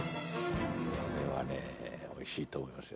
海譴呂おいしいと思いますよ。